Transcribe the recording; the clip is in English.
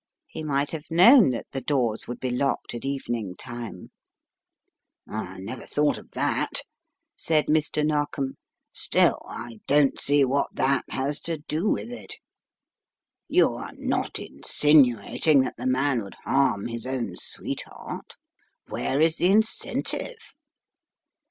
He might have known that the doors would be locked at evening time." "I never thought of that!" said Mr. Narkom. Still, I don't see what that has to do with it. You « 98 The Riddle of the Purple Emperor are not insinuating that the man would harm his own sweetheart? Where is the incentive?